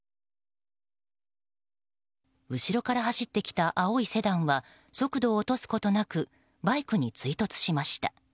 後ろから走ってきた青いセダンは速度を落とすことなくバイクに追突しました。